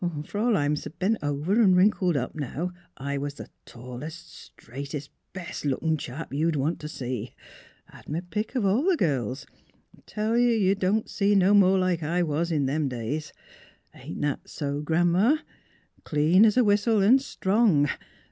Fer all I'm s' bent over an' wrinkled up now I was the tallest, straightest, best lookin' chap ye'd want t' see. Had m' pick of all the girls. Tell ye, ye don't see no more like I was in them days; ain't that so. Gran 'ma? — Clean es a whistle an' strong.